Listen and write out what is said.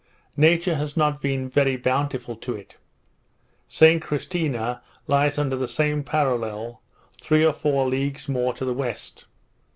Nature has not been very bountiful to it. St Christina lies under the same parallel, three or four leagues more to the west.